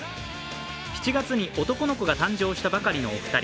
７月に男の子が誕生したばかりのお二人。